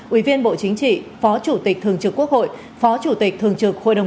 ủy viên bộ chính trị phó chủ tịch thường trực quốc hội phó chủ tịch thường trực hội đồng